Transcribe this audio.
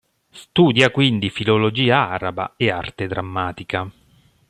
Studia quindi filologia araba e arte drammatica.